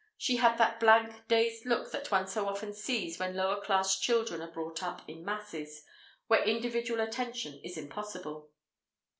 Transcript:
She had that blank, dazed look that one so often sees when lower class children are brought up in masses, where individual attention is impossible.